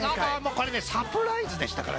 これねサプライズでしたからね